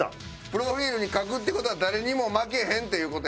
プロフィールに書くって事は誰にも負けへんっていう事やな？